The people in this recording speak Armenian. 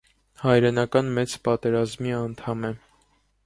Հայրենական մեծ պատերազմի անդամ է։